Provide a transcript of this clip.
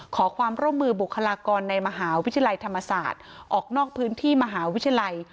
ขอความร่วมมือบุคลากรในมหาวิทยาลัยธรรมศาสตร์ออกนอกพื้นที่มหาวิทยาลัย